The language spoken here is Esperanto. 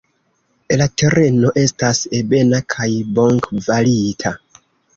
La tereno estas ebena kaj bonkvalita.